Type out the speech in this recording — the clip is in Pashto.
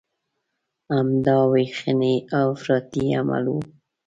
همدا ویشنې او افراطي عمل و.